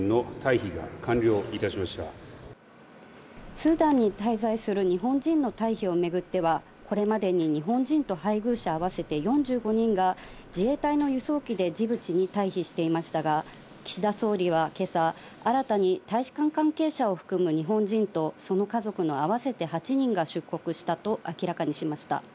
スーダンに滞在する日本人の退避をめぐっては、これまでに日本人と配偶者、合わせて４５人が自衛隊の輸送機でジブチに退避していましたが、岸田総理は今朝、新たに大使館関係者を含む日本人と、その家族の合わせて８人が出国したと明らかにしました。